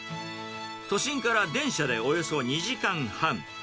都心から電車でおよそ２時間半。